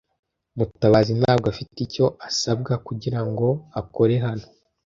Mutabazi ntabwo afite icyo asabwa kugirango akore hano.